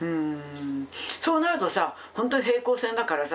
そうなるとさほんとに平行線だからさ